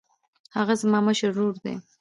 هغه زما مشر ورور دی